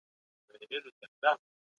جلات خان د بابا شینکیه ته ناره وکړه.